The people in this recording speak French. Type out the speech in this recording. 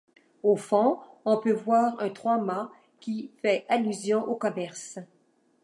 Au fond, on peut voir un trois-mâts qui fait allusion au commerce.